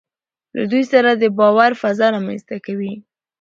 له دوی سره د باور فضا رامنځته کوي.